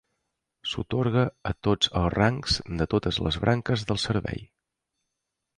S'atorga a tots els rangs de totes les branques del servei.